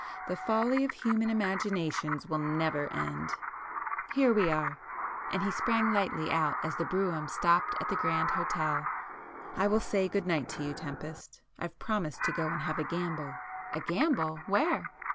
The folly of human imaginations will never end! Here we are!"—and he sprang lightly out as the brougham stopped at the Grand Hotel—"I will say good night to you, Tempest. I've promised to go and have a gamble." "A gamble? Where?"